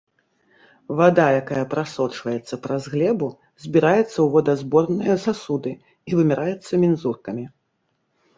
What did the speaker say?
Вада, якая прасочваецца праз глебу, збіраецца ў водазаборныя сасуды і вымяраецца мензуркамі.